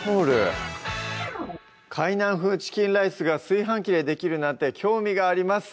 「海南風チキンライス」が炊飯器でできるなんて興味があります